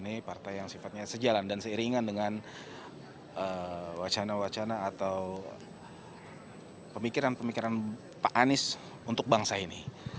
ini partai yang sifatnya sejalan dan seiringan dengan wacana wacana atau pemikiran pemikiran pak anies untuk bangsa ini